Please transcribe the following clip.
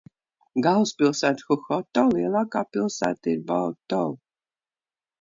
Galvaspilsēta – Huhoto, lielākā pilsēta ir Baotou.